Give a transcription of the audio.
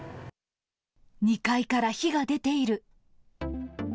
２階から火が出ている。